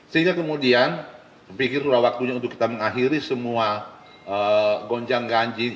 sehingga kemudian pikir sudah waktunya untuk kita mengakhiri semua gonjang ganjing